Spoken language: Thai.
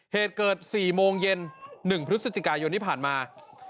เหตุเกิด๔โมงเย็น๑พฤศจิกายนที่ผ่านมา